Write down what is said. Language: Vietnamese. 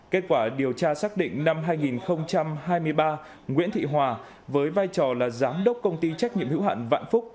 kết quả điều tra xác định năm hai nghìn hai mươi ba nguyễn thị hòa với vai trò là giám đốc công ty trách nhiệm hữu hạn vạn phúc